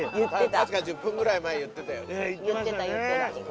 確か１０分ぐらい前言ってたよね。